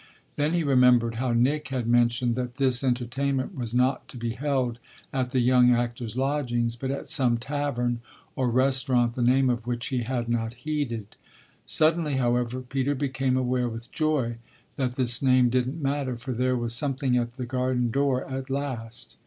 Then he remembered how Nick had mentioned that this entertainment was not to be held at the young actor's lodgings but at some tavern or restaurant the name of which he had not heeded. Suddenly, however, Peter became aware with joy that this name didn't matter, for there was something at the garden door at last.